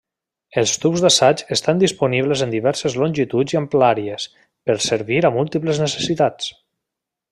Els tubs d'assaig estan disponibles en diverses longituds i amplàries per servir a múltiples necessitats.